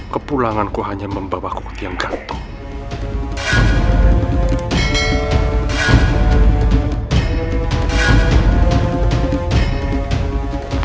kepulanganku hanya membawa kukuti yang gantung